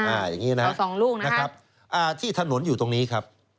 อ่าอย่างนี้นะอ่าที่ถนนอยู่ตรงนี้ครับ